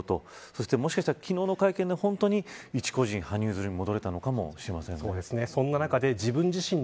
そして、もしかしたら昨日の会見で本当に一個人、羽生結弦に戻れたのかもしれません。